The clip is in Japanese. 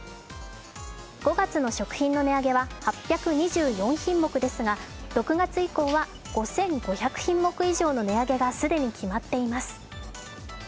５月の食品の値上げは８２４品目ですが６月以降は５５００品目以上の値上げがすでに決まっています。